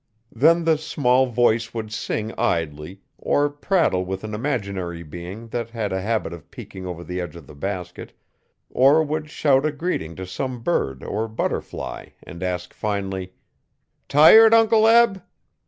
Then the small voice would sing idly or prattle with an imaginary being that had a habit of peeking over the edge of the basket or would shout a greeting to some bird or butterfly and ask finally: 'Tired, Uncle Eb?'